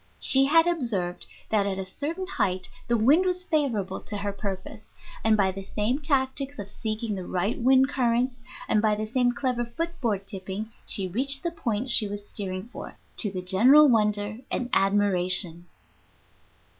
She had observed that at a certain height the wind was favorable to her purpose, and by the same tactics of seeking the right wind currents and by the same clever foot board tipping she reached the point she was steering for, to the general wonder and admiration.